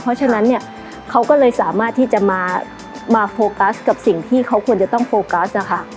เพราะฉะนั้นเนี่ยเขาก็เลยสามารถที่จะมาโฟกัสกับสิ่งที่เขาควรจะต้องโฟกัสนะคะ